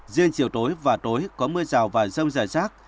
riêng chiều tối và tối có mưa rào và giông giải rác